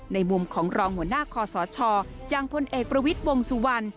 ในมุมของรองหัวหน้าคอสชอย่างพลเอกประวิทย์วงสุวรรณ